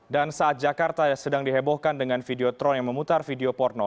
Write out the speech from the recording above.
dan saat jakarta sedang dihebohkan dengan video tron yang memutar video porno